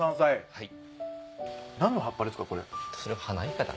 はい。